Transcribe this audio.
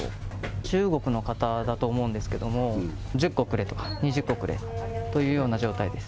中国の方だと思うんですけども、１０個くれとか、２０個くれというような状態です。